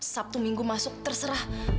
sabtu minggu masuk terserah